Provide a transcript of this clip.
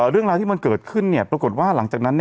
เรื่องราวที่มันเกิดขึ้นปรากฏว่าหลังจากนั้น